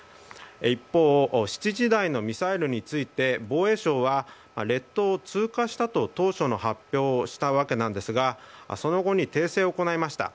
一方、７時台のミサイルについて防衛省は列島を通過したと当初の発表をしていましたがその後に訂正を行いました。